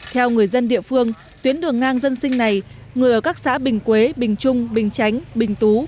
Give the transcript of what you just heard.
theo người dân địa phương tuyến đường ngang dân sinh này người ở các xã bình quế bình trung bình chánh bình tú